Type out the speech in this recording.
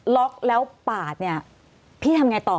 ล็อคแล้วปาดนี่พี่ทำอย่างไรต่อ